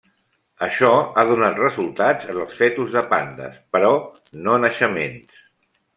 Això ha donat resultats en els fetus de pandes, però no naixements.